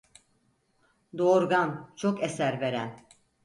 Doğurgan, çok eser veren.